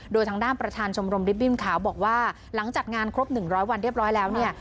โดยทางด้านประธานชมรมริบบิ้นขาวบอกว่าหลังจากงานครบ๑๐๐วันเรียบร้อยแล้วเนี่ย